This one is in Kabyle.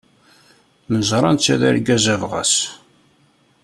Neẓra netta d argaz abɣas.